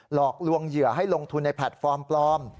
หลอกลวงเหยื่อให้ลงทุนในแพลตฟอร์มปลอม